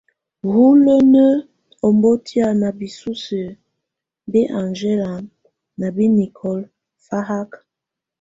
Hulənə ɔ́mbɔ́tiá ná bǐsusə bɛ angele na bɛ nicole fáhák.